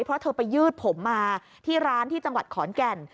เพราะเธอไปยืดผมมาที่ร้านที่จังหวัดขอนแก่น